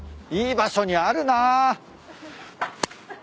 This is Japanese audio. いい場所にあるな。